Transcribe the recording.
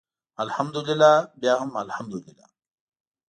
الحمدلله بیا هم الحمدلله.